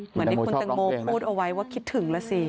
เหมือนที่คุณตังโมพูดเอาไว้ว่าคิดถึงแล้วสิ